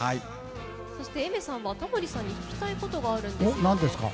そして、Ａｉｍｅｒさんはタモリさんに聞きたいことがあるんですよね。